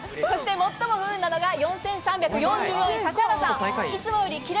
最も不運なのは４３４４位、指原さん。